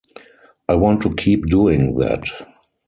I want to keep doing that.